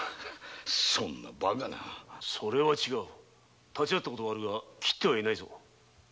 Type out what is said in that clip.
そんなバカなそれは違う立ち合った事はあるが切ってはいないぞ。